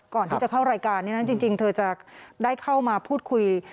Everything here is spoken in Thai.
ก่อนที่จะเข้ารายการนี้นะจริงเธอจะได้เข้ามาพูดคุย